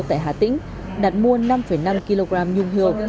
tại hà tĩnh đặt mua năm năm kg nhung hiệu